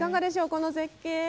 この絶景。